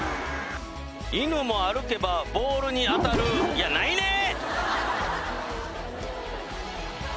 犬も歩けばボールに当たるやないねん！